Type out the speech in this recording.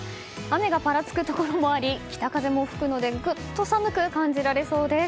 雨がぱらつくところもあり北風も吹くのでぐっと寒く感じられそうです。